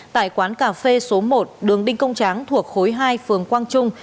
tại quán cà phê số một đường đinh công tráng thuộc khối hai phường quang trung